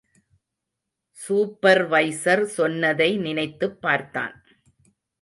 Supervisor சொன்னதை நினைத்துப் பார்த்தான்.